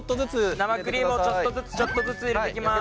生クリームをちょっとずつちょっとずつ入れていきます。